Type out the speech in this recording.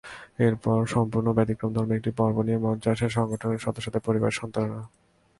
এরপর সম্পূর্ণ ব্যতিক্রমধর্মী একটি পর্ব নিয়ে মঞ্চে আসেন সংগঠনের সদস্যদের পরিবারের সন্তানেরা।